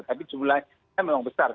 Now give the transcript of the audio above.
tapi jumlahnya memang besar